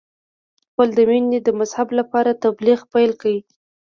خپل د مینې د مذهب لپاره تبلیغ پیل کړ.